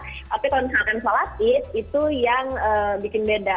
tapi tahun kemarin sholat itu yang bikin beda